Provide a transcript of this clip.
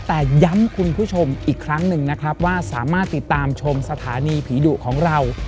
แต่ย้ำคุณผู้ชมอีกครั้งหนึ่งนะครับว่าสามารถติดตามชมสถานีผีดุของเรา